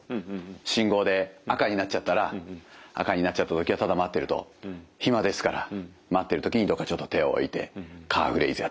信号で赤になっちゃったら赤になっちゃった時はただ待ってると暇ですから待ってる時にどっかちょっと手を置いてカーフレイズやってみよう。